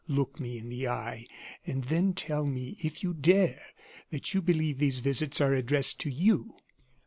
Look me in the eye, and then tell me, if you dare, that you believe these visits are addressed to you!"